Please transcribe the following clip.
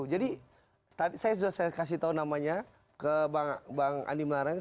jadi saya sudah kasih tau namanya ke bang andi mareng